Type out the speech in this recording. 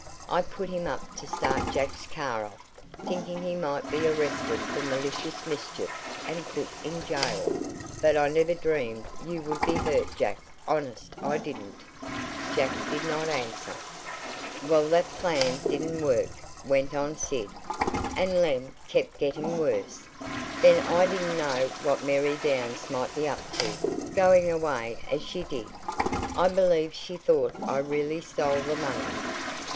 I put him up to start Jack's car off, thinking he might be arrested for malicious mischief and put in jail, but I never dreamed you would be hurt, Jack. Honest, I didn't." Jack did not answer. "Well, that plan didn't work," went on Sid, "and Lem kept getting worse. Then I didn't know what Mary Downs might be up to, going away as she did. I believe she thought I really stole the money."